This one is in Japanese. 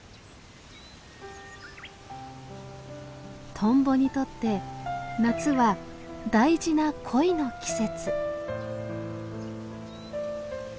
トンボにとって夏は大事な恋の季節。